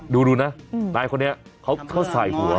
ดูนะนายคนนี้เขาใส่หัว